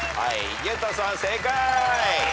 井桁さん正解。